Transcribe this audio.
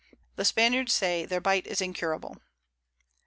The Spaniards say their Bite is incurable.